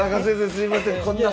すいません。